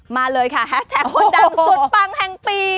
มาเลยค่ะแฮสแท็กคนดังสุดปังแห่งปี